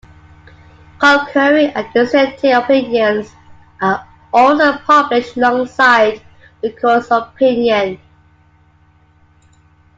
Concurring and dissenting opinions are also published alongside the Court's opinion.